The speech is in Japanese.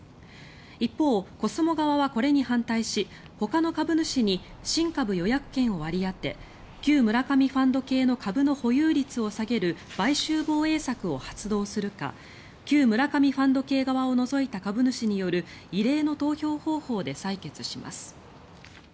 一方、コスモ側はこれに反対しほかの株主に新株予約権を割り当て旧村上ファンド系の株の保有率を下げる買収防衛策を発動するか旧村上ファンド系側を除いた株主による異例の投票方法で採決します。